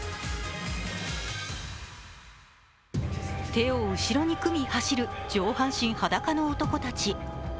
手を後ろに組み走る、上半身裸の男たち。